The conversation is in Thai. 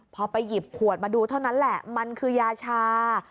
พอไปหยิบขวดมาดูเท่านั้นแหละมันคือยาชา